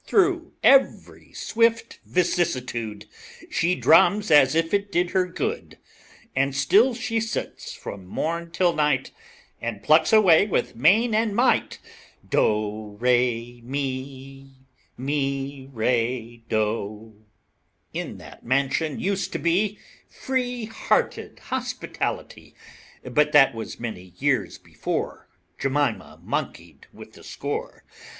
Through every swift vicissitude She drums as if it did her good, And still she sits from morn till night And plunks away with main and might, Do, re, mi, Mi, re, do. In that mansion used to be Free hearted hospitality; But that was many years before Jemima monkeyed with the score.